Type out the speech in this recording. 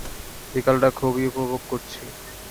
বিকালটা খুবই উপভোগ করেছি।